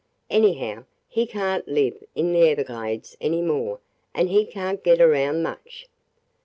Anyhow, he can't live in the Everglades any more and he can't get around much.